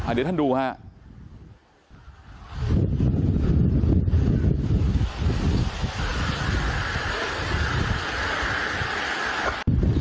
เดี๋ยวท่านดูครับ